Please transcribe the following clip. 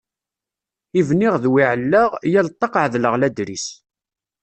I bniɣ d wi ɛellaɣ, yal ṭṭaq ɛedleɣ ladris.